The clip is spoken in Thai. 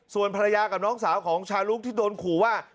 ส่วนภรรยากับน้องสาวของชาลุกที่โดนขู่ว่า